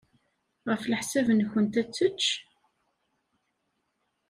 Ɣef leḥsab-nwent, ad tečč?